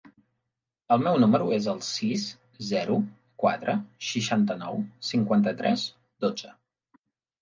El meu número es el sis, zero, quatre, seixanta-nou, cinquanta-tres, dotze.